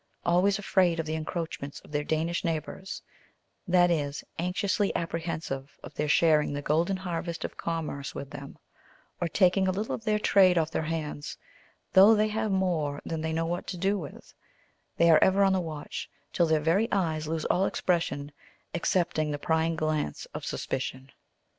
Always afraid of the encroachments of their Danish neighbours, that is, anxiously apprehensive of their sharing the golden harvest of commerce with them, or taking a little of the trade off their hands though they have more than they know what to do with they are ever on the watch, till their very eyes lose all expression, excepting the prying glance of suspicion.